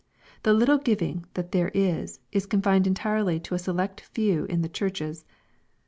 The little giving that there is, is confined entirely to a select few in the churches.